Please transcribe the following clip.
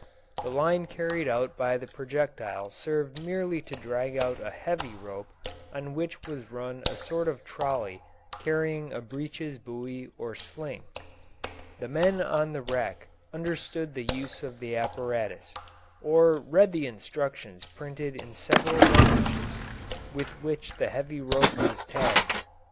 The line carried out by the projectile served merely to drag out a heavy rope on which was run a sort of trolley carrying a breeches buoy or sling. The men on the wreck understood the use of the apparatus, or read the instructions printed in several languages with which the heavy rope was tagged.